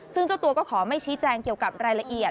ซึ่งเจ้าตัวก็ขอไม่ชี้แจงเกี่ยวกับรายละเอียด